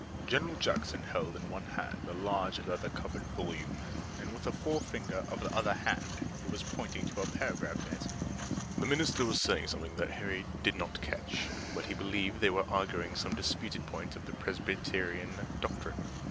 General Jackson held in one hand a large leather covered volume, and with the forefinger of the other hand he was pointing to a paragraph in it. The minister was saying something that Harry did not catch, but he believed that they were arguing some disputed point of Presbyterian doctrine.